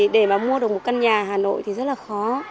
để mà mua được một căn nhà hà nội thì rất là khó